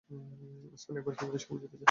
Spain একবার FIFA বিশ্বকাপ জিতেছে।